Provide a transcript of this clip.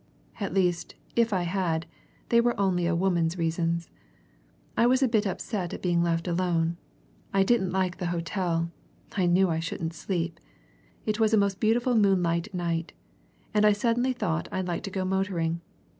"At least, if I had, they were only a woman's reasons. I was a bit upset at being left alone. I didn't like the hotel. I knew I shouldn't sleep. It was a most beautiful moonlight night, and I suddenly thought I'd like to go motoring.